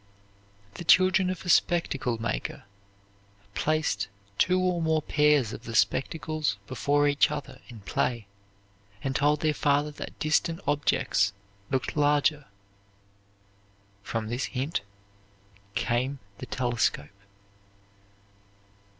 The children of a spectacle maker placed two or more pairs of the spectacles before each other in play, and told their father that distant objects looked larger. From this hint came the telescope.